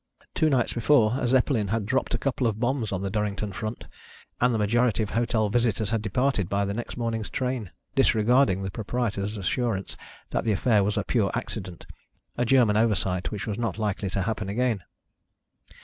Two nights before a Zeppelin had dropped a couple of bombs on the Durrington front, and the majority of hotel visitors had departed by the next morning's train, disregarding the proprietor's assurance that the affair was a pure accident, a German oversight which was not likely to happen again.